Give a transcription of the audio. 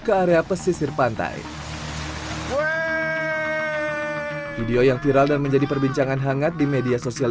ke area pesisir pantai video yang viral dan menjadi perbincangan hangat di media sosial